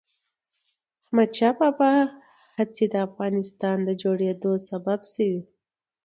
د احمد شاه بابا هڅې د افغانستان د جوړېدو سبب سوي.